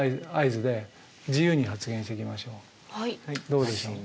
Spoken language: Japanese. どうでしょう。